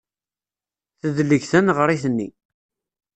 Tedleg taneɣrit-nni.